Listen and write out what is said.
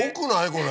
これ。